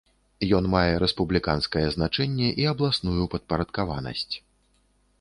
Ён мае рэспубліканскае значэнне і абласную падпарадкаванасць.